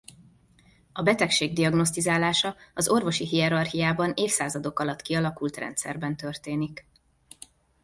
A betegség diagnosztizálása az orvosi hierarchiában évszázadok alatt kialakult rendszerben történik.